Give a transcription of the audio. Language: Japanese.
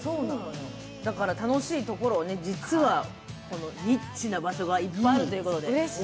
楽しいところを実はニッチな場所がいっぱいあるということで。